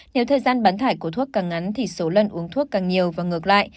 nếu thời gian bán thải của thuốc càng ngắn thì số lần uống thuốc càng nhiều và ngược lại